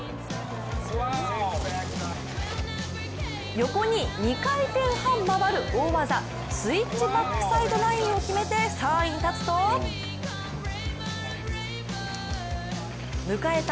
横に２回転半回る大技、スイッチバックサイドナインを決めて、３位に立つと迎えた